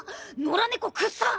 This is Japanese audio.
野良猫くっさ！